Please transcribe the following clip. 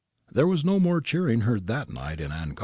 There was no more cheering heard that night in Ancona.